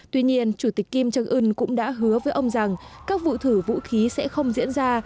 tuy nhiên chủ tịch kim trương ưn cũng đã hứa với ông rằng các vụ thử vũ khí sẽ không diễn ra